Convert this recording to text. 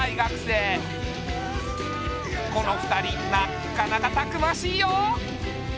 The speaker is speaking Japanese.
この二人なっかなかたくましいよ。